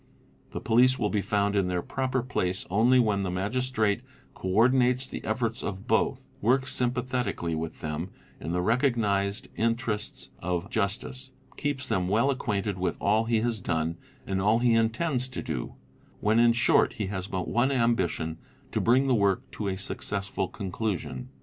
The police will be found in their proper place _ only when the Magistrate co ordinates the efforts of both, works sym Ps pathetically with them in the recognised interests of justice, keeps them = well acquainted with all he has done and all he intends to do; when _ in short he has but one ambition, to bring the work to a successful conclusion.